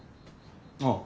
ああ。